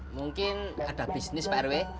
mungkin ada bisnis prw